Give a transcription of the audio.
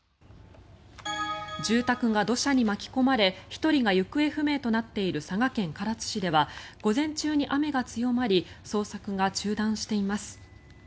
住宅が土砂に巻き込まれ１人が行方不明となっている佐賀県唐津市では午前中に雨が強まり捜索が中断しています。